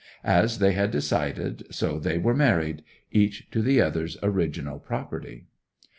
As they had decided, so they were married, each one to the other's original property.